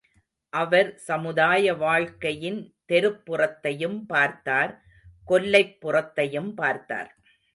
அவர் சமுதாய வாழ்க்கையின் தெருப்புறத்தையும் பார்த்தார் கொல்லைப்புறத்தையும் பார்த்தார்.